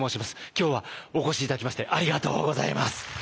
今日はお越し頂きましてありがとうございます。